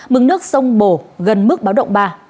mực nước sông bồ gần mức báo động ba